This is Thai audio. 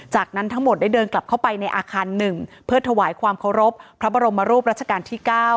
จากนั้นทั้งหมดได้เดินกลับเข้าไปในอาคาร๑เพื่อถวายความเคารพพระบรมรูปรัชกาลที่๙